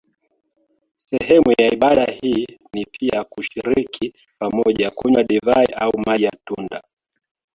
Sehemu ya ibada hii ni pia kushiriki pamoja kunywa divai au maji ya matunda.